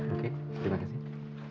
oke terima kasih